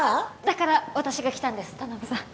だから私が来たんです田辺さん。